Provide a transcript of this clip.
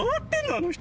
あの人。